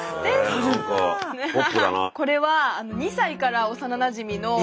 これは２歳から幼なじみの。